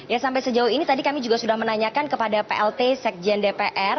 ya sampai sejauh ini tadi kami juga sudah menanyakan kepada plt sekjen dpr